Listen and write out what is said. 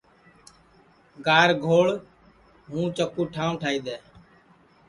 گر گھوݪ ہوں چکُو ٹھانٚو ٹھائی دؔے